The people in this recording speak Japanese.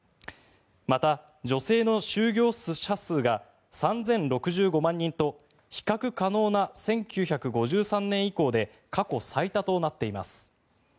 また、女性の就業者数が３０６５万人と比較可能な１９５３年以降で過去最多となっています。